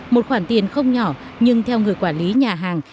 một khoản tiền không nhỏ nhưng theo người quản lý nhà hàng